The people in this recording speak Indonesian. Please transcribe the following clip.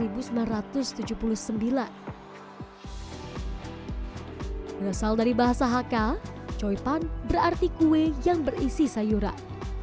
berasal dari bahasa hakka choy pan berarti kue yang berisi sayuran